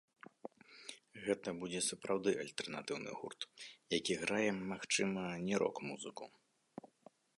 Гэта будзе сапраўды альтэрнатыўны гурт, які грае, магчыма, не рок-музыку.